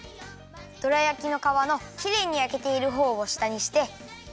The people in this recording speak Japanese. どら焼きのかわのきれいにやけているほうをしたにして。